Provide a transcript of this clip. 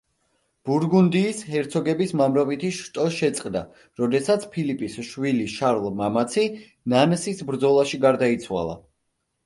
ბურგუნდიის ჰერცოგების მამრობითი შტო შეწყდა, როდესაც ფილიპის შვილი შარლ მამაცი ნანსის ბრძოლაში გარდაიცვალა.